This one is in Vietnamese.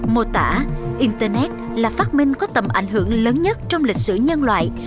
mô tả internet là phát minh có tầm ảnh hưởng lớn nhất trong lịch sử nhân loại